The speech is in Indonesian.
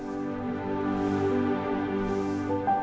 saya sekolah saya ekonomi kan saya majui numbers ini keluar di e commerce